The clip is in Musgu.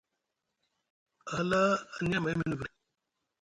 A hala a niya amay mini vre,